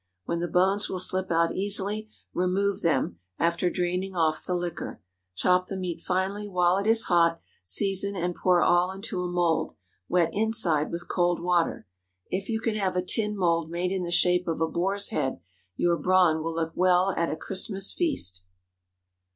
When the bones will slip out easily, remove them, after draining off the liquor. Chop the meat finely while it is hot, season, and pour all into a mould, wet inside with cold water. If you can have a tin mould made in the shape of a boar's head, your brawn will look well at a Christmas feast.